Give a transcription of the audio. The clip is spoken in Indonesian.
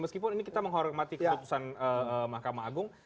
meskipun ini kita menghormati keputusan mahkamah agung